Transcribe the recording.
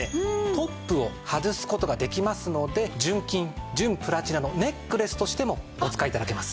トップを外す事ができますので純金純プラチナのネックレスとしてもお使い頂けます。